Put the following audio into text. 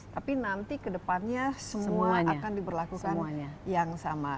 tapi nanti kedepannya semua akan diberlakukan yang sama